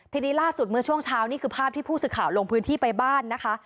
ทีนี้ล่าสุดเมื่อช่วงเช้านี่คือภาพที่ผู้สื่อข่าวลงพื้นที่ไปบ้านนะคะ